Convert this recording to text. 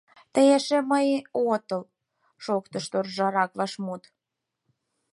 Тый эше мый отыл, — шоктыш торжарак вашмут.